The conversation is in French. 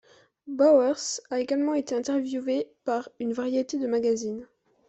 Bowers a également été interviewée par une variété de magazines.